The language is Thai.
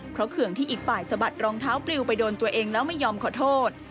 เพราะเคืองที่อีกฝ่ายสะบัดรองเท้าปลิวไปโดนตัวเองแล้วไม่ยอมขอโทษ